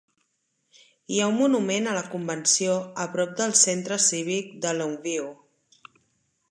Hi ha un monument a la convenció a prop del Centre Cívic de Longview.